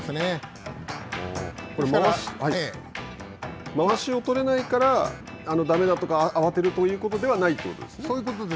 これ、まわしをとれないからだめだとか慌てるということではそういうことです。